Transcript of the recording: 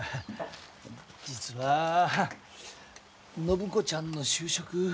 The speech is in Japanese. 実は暢子ちゃんの就職。